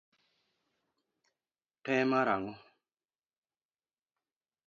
Te mar ang'o?